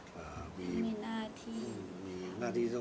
เขาดีใจนะทั้งสามคนแต่เขาแสดงออกแบบให้เราเห็นเฉยนะ